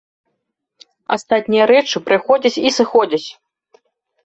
Астатнія рэчы прыходзяць і сыходзяць.